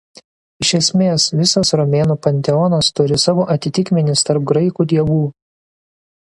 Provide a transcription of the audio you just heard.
Iš esmės visas romėnų panteonas turi savo atitikmenis tarp graikų dievų.